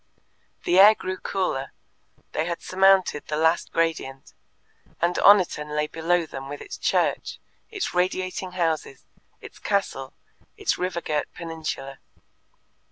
The air grew cooler; they had surmounted the last gradient, and Oniton lay below them with its church, its radiating houses, its castle, its river girt peninsula.